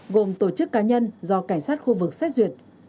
gồm tổ chức cá nhân do cảnh sát khu vực xét duyệt